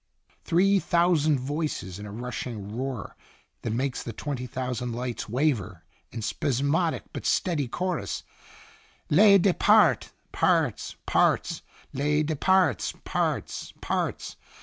Three thousand voices in a rushing roar that makes the twenty thousand lights waver, in spas modic but steady chorus :'' Les departs parts parts ! Les departs parts parts